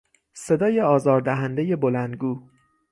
صدای آزار دهندهی بلندگو